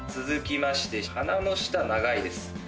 続きまして鼻の下長いです。